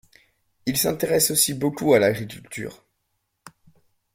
Il s'intéresse aussi beaucoup à l'agriculture.